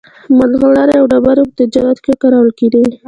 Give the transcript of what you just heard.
مرغلرې او ډبرې په تجارت کې کارول کېدې.